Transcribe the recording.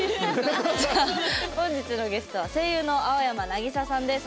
さあ本日のゲストは声優の青山なぎささんです。